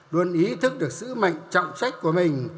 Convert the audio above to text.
luôn ý thức được sứ mệnh trọng trách của mình